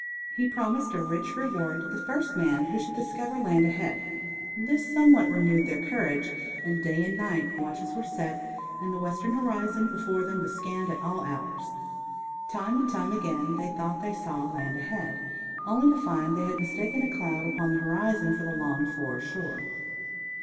He promised a rich reward to the first man who should discover land ahead. This somewhat renewed their courage, and day and night watches were set and the western horizon before them was scanned at all hours. Time and again they thought they saw land ahead, only to find they had mistaken a cloud upon the horizon for the longed for shore.